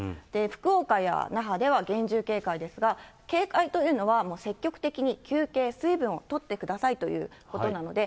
福岡や那覇では厳重警戒ですが、警戒というのは、積極的に休憩、水分をとってくださいということなので、